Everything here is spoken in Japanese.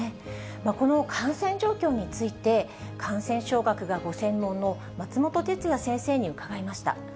この感染状況について、感染症学がご専門の松本哲哉先生に伺いました。